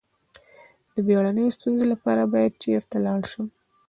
د بیړنیو ستونزو لپاره باید چیرته لاړ شم؟